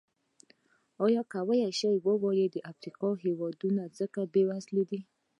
ایا کولای شو ووایو افریقايي هېوادونه ځکه بېوزله دي.